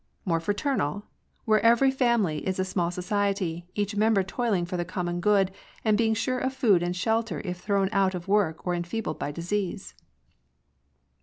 More fraternal ?— where every family is a small society, each member toiling for the common good, and being sure of food and shelter if thrown out of work or enfeebled by disease.